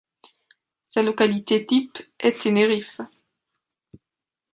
Sa localité type est Tenerife.